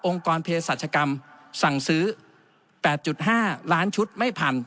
กรเพศรัชกรรมสั่งซื้อ๘๕ล้านชุดไม่พัน